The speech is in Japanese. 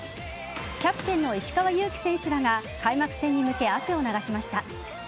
キャプテンの石川祐希選手らが開幕戦に向け、汗を流しました。